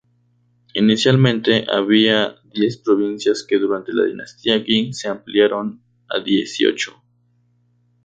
Inicialmente había diez provincias que durante la dinastía Qing se ampliaron a dieciocho.